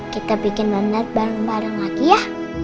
kita bikin banget bareng bareng lagi ya